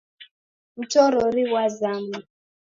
Mtorori ghwazama